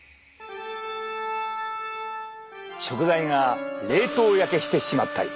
食材が冷凍焼けしてしまったり。